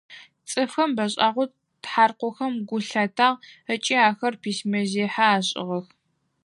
Цӏыфхэм бэшӏагъэу тхьаркъохэм гу лъатагъ ыкӏи ахэр письмэзехьэ ашӏыгъэх.